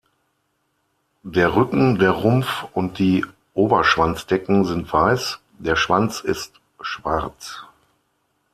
Der Rücken, der Rumpf und die Oberschwanzdecken sind weiß, der Schwanz ist schwarz.